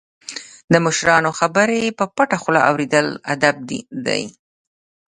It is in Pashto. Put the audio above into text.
د مشرانو خبرې په پټه خوله اوریدل ادب دی.